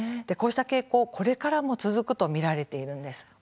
こうした傾向はこれからも続くと見られています。